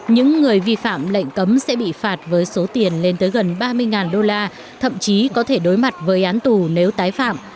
những người vi phạm lệnh cấm sẽ bị phạt với số tiền lên tới gần ba mươi đô la thậm chí có thể đối mặt với án tù nếu tái phạm